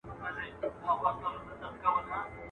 تور سپى د وزگړي په بيه ورکوي.